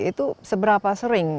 itu seberapa sering